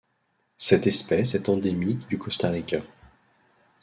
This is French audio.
Cette espèce est endémique du Costa Rica.